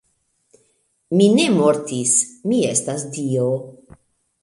Mi ne mortis, mi estas dio.